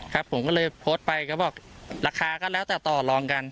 ผมก็เลยโพสต์ไปก็บอกราคาก็แล้วแต่ต่อลองกัน